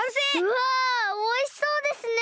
うわおいしそうですね。